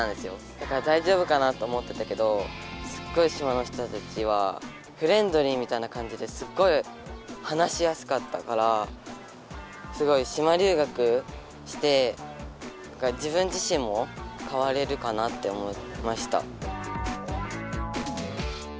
だから「だいじょうぶかな？」と思ってたけどすっごい島の人たちはフレンドリーみたいな感じですっごい話しやすかったからすごい島留学して自分自しんもかわれるかなって思いました。